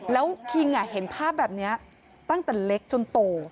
แล้วคิงเห็นภาพแบบนี้ตั้งแต่เล็กจนโต